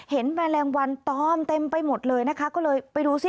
แมลงวันตอมเต็มไปหมดเลยนะคะก็เลยไปดูซิ